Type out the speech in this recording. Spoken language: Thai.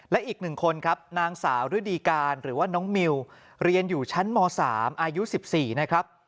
และอีก๑คนครับนางสาวฤดีการหรือว่าน้องมิวเรียนอยู่ชั้นม๓อายุ๑๔นะครับ